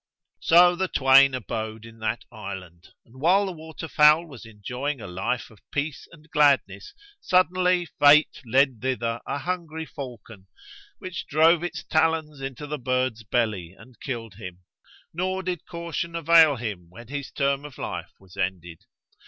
So the twain abode in that island; and while the water fowl was enjoying a life of peace and gladness, suddenly Fate led thither a hungry falcon, which drove its talons into the bird's belly and killed him, nor did caution avail him when his term of life was ended.